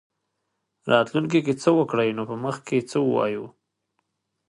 راتلونکې کې څه وکړي نو په مخ کې څه ووایو.